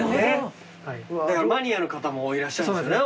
だからマニアの方もいらっしゃるんですよね。